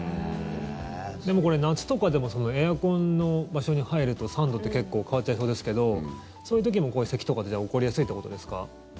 でも、これ、夏とかでもエアコンの場所に入ると３度って結構変わっちゃいそうですけどそういう時も、せきとか起こりやすいってことですか？